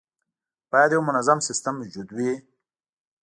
باید یو منظم سیستم موجود وي.